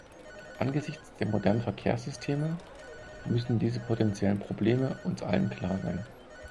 Angesichts der modernen Verkehrssysteme müssen diese potenziellen Probleme uns allen klar sein.